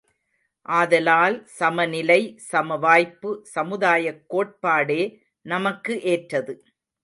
ஆதலால் சமநிலை சமவாய்ப்பு சமுதாயக் கோட்பாடே நமக்கு ஏற்றது.